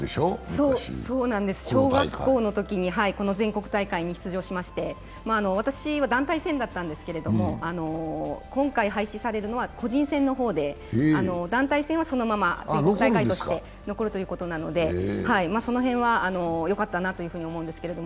そうなんです、小学校のときにこの全国大会に出場しまして私は団体戦だったんですけど、今回廃止されるのは個人戦の方で団体戦はそのまま全国大会として残るということなのでその辺はよかったなと思うんですけど。